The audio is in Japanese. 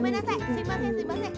すいませんすいません。